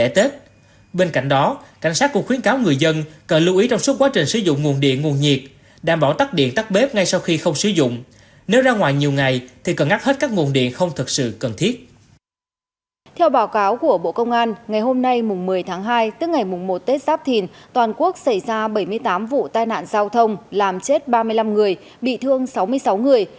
toàn quốc xảy ra bảy mươi tám vụ tai nạn giao thông làm chết ba mươi năm người bị thương sáu mươi sáu người